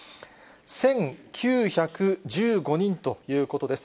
１９１５人ということです。